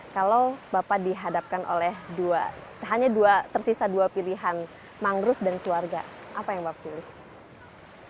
kalau bapak dihadapkan oleh dua hanya dua tersisa dua pilihan mangrove dan keluarga apa yang bapak pilih